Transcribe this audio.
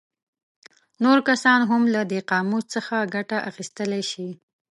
نور کسان هم له دې قاموس څخه ګټه اخیستلی شي.